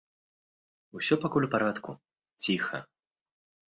Усё пакуль у парадку, ціха.